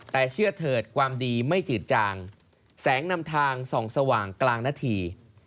แต่เชื่อเถิดความดีไม่จืดจางแสงนำทางส่องสว่างกลางนาที